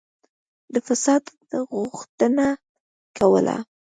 د فساد غوښتنه کوله.